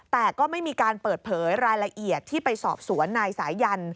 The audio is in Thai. แต่ก็ไม่มีการเปิดเผยรายละเอียดที่ไปสอบสวนนายสายัน